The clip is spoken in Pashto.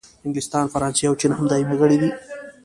انګلستان، فرانسې او چین هم دایمي غړي دي.